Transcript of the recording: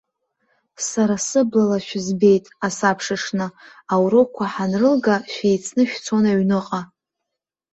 Сара сыблала шәызбеит, асабшаҽны, аурокқәа ҳанрылга, шәеицны шәцон аҩныҟа.